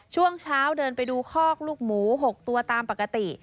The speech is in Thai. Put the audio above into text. ช่วงเช้าเดินไปดูคอกลูกหมู๖ตัวตามปกติ